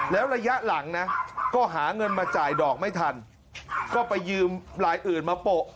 แล้วระยะหลังนะก็หาเงินมาจ่ายดอกไม่ทันก็ไปยืมลายอื่นมาโปะ